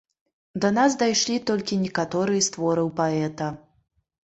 Да нас дайшлі толькі некаторыя з твораў паэта.